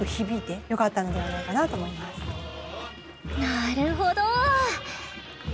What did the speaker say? なるほど！